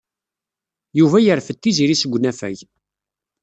Yuba yerfed Tiziri seg unafag.